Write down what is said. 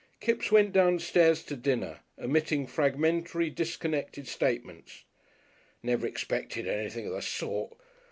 Kipps went downstairs to dinner, emitting fragmentary, disconnected statements. "Never expected anything of the sort....